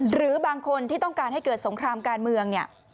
หรือบางคนที่ต้องการให้เกิดสงครามการเมืองเนี่ย